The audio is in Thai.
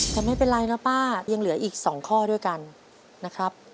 แต่ไม่เป็นไรนะป้ายังเหลืออีก๒ข้อด้วยกันนะครับ